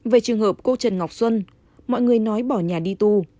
về trường hợp cô trần ngọc xuân mọi người nói bỏ nhà đi tù